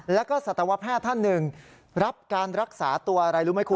แล้วก็สัตวแพทย์ท่านหนึ่งรับการรักษาตัวอะไรรู้ไหมคุณ